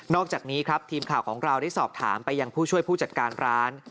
อกจากนี้ครับทีมข่าวของเราได้สอบถามไปยังผู้ช่วยผู้จัดการร้าน